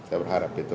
kita berharap itu